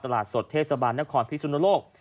ตลาดสดเทศบาลนครพิสุนโลก